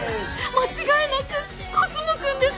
間違いなくコスモくんです！